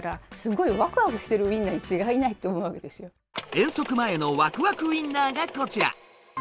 遠足前のワクワクウインナーがこちら！